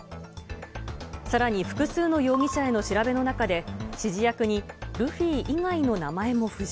さらに複数の容疑者への調べの中で、指示役にルフィ以外の名前も浮上。